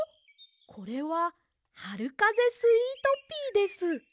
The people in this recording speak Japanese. これははるかぜスイートピーです。